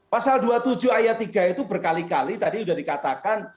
pasal dua puluh tujuh ayat tiga itu berkali kali tadi sudah dikatakan